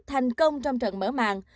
thành công trong trận mở mạng